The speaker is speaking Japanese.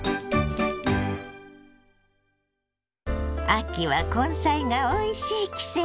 秋は根菜がおいしい季節。